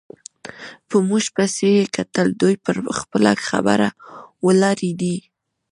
په موږ پسې یې کتل، دوی پر خپله خبره ولاړې دي.